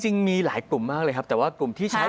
จริงมีหลายกลุ่มมากเลยครับแต่ว่ากลุ่มที่ใช้